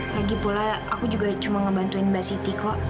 lagipula aku juga cuma ngebantuin mbak siti kok